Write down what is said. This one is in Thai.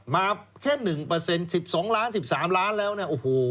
มาแค่๑๑๒ล้าน๑๓ล้านแล้วเนี่ยโอ้โห